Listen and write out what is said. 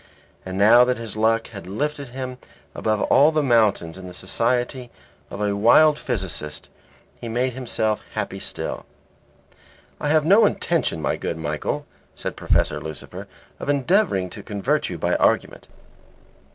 And now that his luck had lifted him above all the mountains in the society of a wild physicist, he made himself happy still. "I have no intention, my good Michael," said Professor Lucifer, "of endeavouring to convert you by argument.